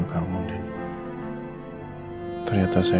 ikutlah dan ikutlah